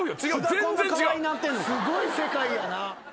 すごい世界やな。